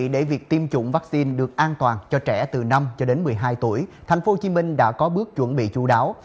để việc tiêm chủng vaccine được an toàn cho trẻ từ năm cho đến một mươi hai tuổi tp hcm đã có bước chuẩn bị chú đáo